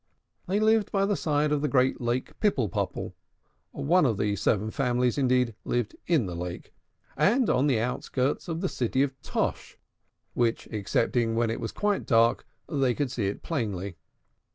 They lived by the side of the great Lake Pipple Popple (one of the seven families, indeed, lived in the lake), and on the outskirts of the city of Tosh, which, excepting when it was quite dark, they could see plainly.